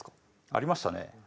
ありましたね。